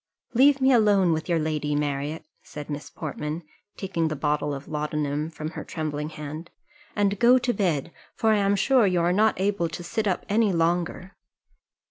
"Leave me alone with your lady, Marriott," said Miss Portman, taking the bottle of laudanum from her trembling hand, "and go to bed; for I am sure you are not able to sit up any longer."